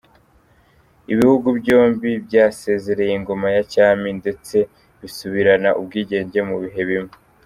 Ibihugu byombi byasezereye ingoma ya cyami ndetse bisubirana ubwigenge mu bihe bimwe.